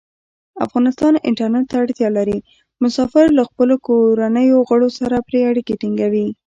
افغانستان انټرنیټ ته اړتیا لري. مسافر له خپلو کورنیو غړو سره پری اړیکې ټینګوی.